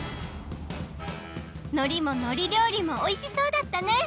のりものり料理もおいしそうだったね。